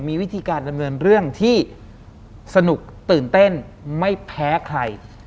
มีวิธีการดำเนินเรื่องที่สนุกตื่นเต้นไม่แพ้ใคร